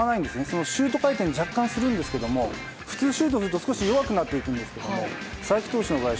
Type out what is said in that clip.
若干、シュート回転をするんですけど普通、シュートすると弱くなっていくんですけど佐々木投手の場合